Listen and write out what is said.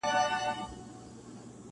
• چي ناوخته به هیلۍ کله راتللې -